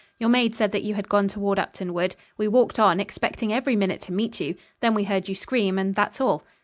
"Your maid said that you had gone toward Upton Wood. We walked on, expecting every minute to meet you. Then we heard you scream and that's all."